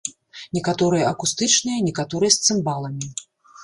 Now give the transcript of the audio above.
Некаторыя акустычныя, некаторыя з цымбаламі.